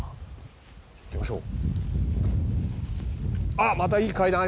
行きましょう。